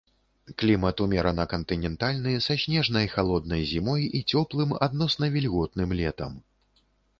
Клімат умерана кантынентальны са снежнай халоднай зімой і цёплым, адносна вільготным летам.